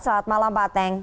selamat malam pak ateng